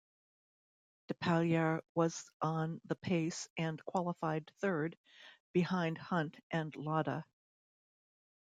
Depailler was on the pace and qualified third, behind Hunt and Lauda.